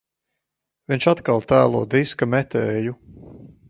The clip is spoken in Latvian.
Viņš atkal tēlo diska metēju.